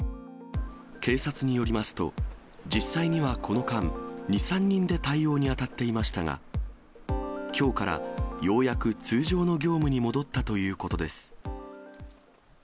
警察によりますと、実際にはこの間、２、３人で対応に当たっていましたが、きょうから、ようやく通常の業務に戻ったということです。